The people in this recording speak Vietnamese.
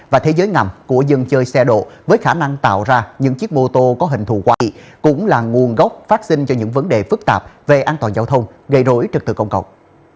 và thế giới ngầm của dân chơi xe độ với khả năng tạo ra những chiếc ô tô có hình thù quay cũng là nguồn gốc phát sinh cho những vấn đề phức tạp về an toàn giao thông gây rối trật tự công cộng